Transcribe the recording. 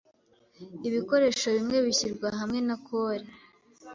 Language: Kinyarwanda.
Ibikoresho bimwe bishyirwa hamwe na kole.